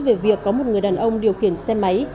về việc có một người đàn ông điều khiển xe máy